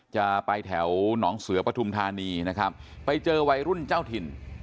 จะไปแถวหนองเสือปฐุมธานีนะครับไปเจอวัยรุ่นเจ้าถิ่น